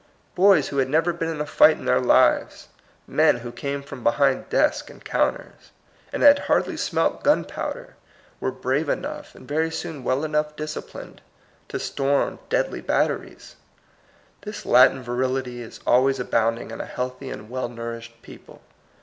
Boys who had never been in a fight in their lives, men who came from behind desks and counters, and had hardly smelt gunpowder, were brave enough, and very soon well enough disci plined, to storm deadly batteries. This latent virility is always abounding in a healthy and well nourished people.